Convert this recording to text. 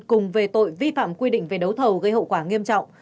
cùng về tội vi phạm quy định về đấu thầu gây hậu quả nghiêm trọng